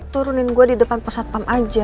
turunin gue di depan pusat pam aja